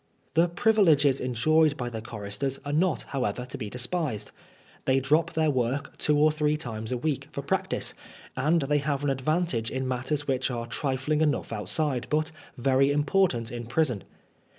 The privileges enjoyed by the choristers are not, however, to be despised. They drop their work two or three times a week for practice, and they have an advantage in matters which are trifling enough outside, but very important in prison.